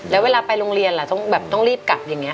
แล้วเวลาไปโรงเรียนต้องรีบกลับอย่างนี้